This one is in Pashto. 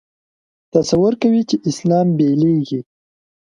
تصور کوي چې اسلام بېلېږي.